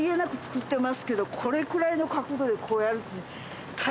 これくらいの角度でこうやる。